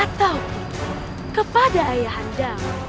atau kepada ayah anda